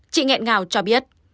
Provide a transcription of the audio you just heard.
chị ngẹn ngào cho biết